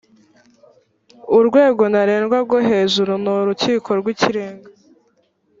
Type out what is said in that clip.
urwego ntarengwa rwo hejuru ni urukiko wr’ikirenga